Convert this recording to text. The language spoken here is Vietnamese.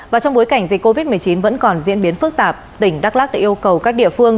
và trong bối cảnh dịch covid một mươi chín vẫn còn diễn biến phức tạp tỉnh đắk lắc đã yêu cầu các địa phương